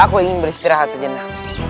aku ingin beristirahat sejenak